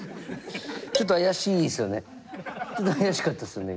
ちょっと怪しかったですよね